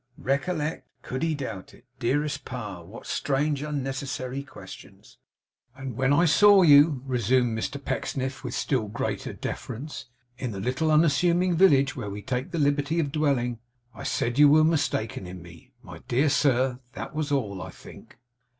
Recollect! Could he doubt it! Dearest pa, what strange unnecessary questions! 'And when I saw you,' resumed Mr Pecksniff, with still greater deference, 'in the little, unassuming village where we take the liberty of dwelling, I said you were mistaken in me, my dear sir; that was all, I think?